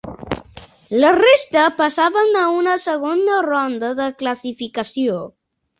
La resta passaven a una segona ronda de classificació.